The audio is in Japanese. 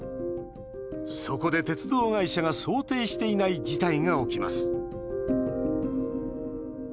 そこで、鉄道会社が想定していない事態が起きます。